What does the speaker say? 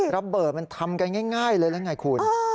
ระเบิดมันทำกันง่ายเลยหรือยังไงคุณ